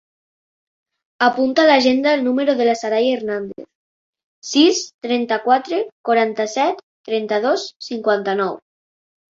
Apunta a l'agenda el número de la Saray Hernandez: sis, trenta-quatre, quaranta-set, trenta-dos, cinquanta-nou.